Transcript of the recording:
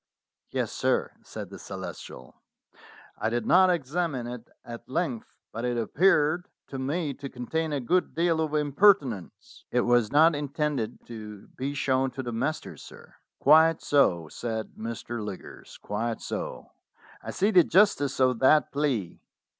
"Yes, sir," said the Celestial. "I did not examine it at length, but it appeared to me to contain a good deal of impertinence." "It was not intended to be shown to the masters, sir." "Quite so," said Mr. Liggers "quite so. I see the justice of that plea.